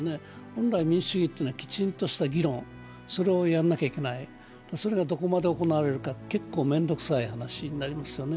本来、民主主義というのはきちんとした議論をやらなければいけない、それがどこまで行われるかというと結構面倒くさい話になるんです。